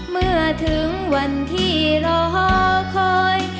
เมื่อถึงวันที่รอคอย